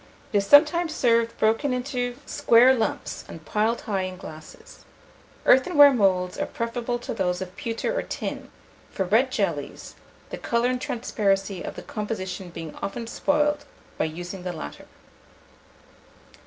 It is sometimes served broken into square lumps, and piled high in glasses. Earthenware moulds are preferable to those of pewter or tin, for red jellies, the colour and transparency of the composition being often spoiled by using the latter.